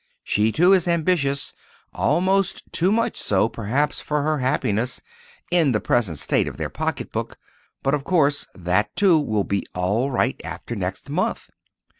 She, too, is ambitious—almost too much so, perhaps, for her happiness, in the present state of their pocketbook. But of course that, too, will be all right, after next month.